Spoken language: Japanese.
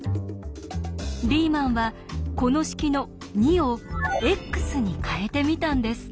リーマンはこの式の「２」を「ｘ」に変えてみたんです。